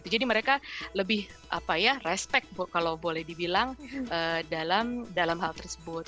jadi mereka lebih apa ya respect kalau boleh dibilang dalam hal tersebut